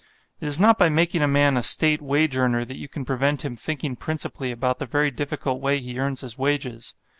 It is not by making a man a State wage earner that you can prevent him thinking principally about the very difficult way he earns his wages.